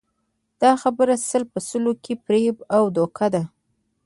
دا خبره سل په سلو کې فریب او دوکه ده